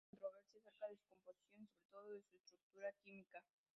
Existe controversia acerca de su composición y sobre todo de su estructura química.